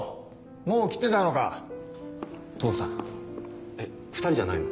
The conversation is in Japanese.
もう来てたのか・父さんえっ２人じゃないの？